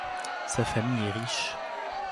Sa famille est riche.